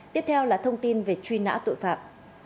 tiếp theo là thông tin về truy nã tội phạm